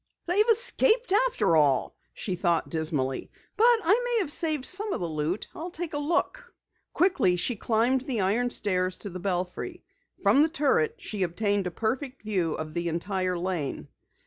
"They've escaped after all," she thought dismally. "But I may have saved some of the loot. I'll take a look." Quickly she climbed the iron stairs to the belfry. From the turret she obtained a perfect view of the entire Lane.